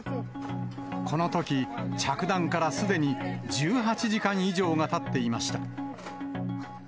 このとき、着弾からすでに１８時間以上がたっていました。